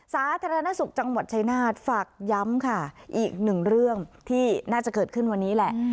สาธารณสุขจังหวัดชายนาฏฝากย้ำค่ะอีกหนึ่งเรื่องที่น่าจะเกิดขึ้นวันนี้แหละ